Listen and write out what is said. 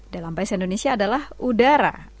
dalam bahasa indonesia adalah udara